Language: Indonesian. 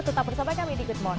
tetap bersama kami di good morni